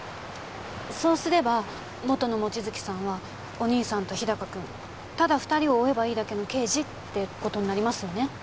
そうすれば元の望月さんはお兄さんと日高君ただ２人を追えばいいだけの刑事ってことになりますよね